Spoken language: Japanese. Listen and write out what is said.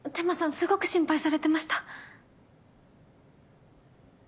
すごく心配されてました。